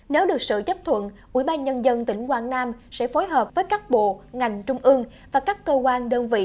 nếu được sự chấp thuận ubnd tỉnh quảng nam sẽ phối hợp với các bộ ngành trung ương và các cơ quan đơn vị